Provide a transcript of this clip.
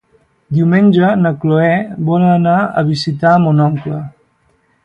Diumenge na Cloè vol anar a visitar mon oncle.